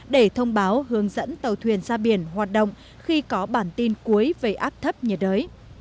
để thông báo hướng dẫn tàu thuyền ra biển hoạt động khi có bản tin cuối về áp thấp nhiệt đới